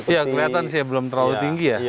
iya kelihatan belum terlalu tinggi ya